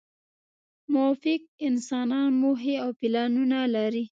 موفق انسانان موخې او پلانونه لري.